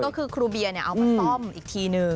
ก็คือครูเบียร์เอามาซ่อมอีกทีนึง